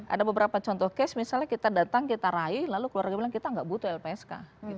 ada beberapa contoh case misalnya kita datang kita raih lalu keluarga bilang kita nggak butuh lpsk